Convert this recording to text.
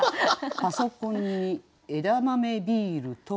「パソコンに枝豆ビール友の顔」。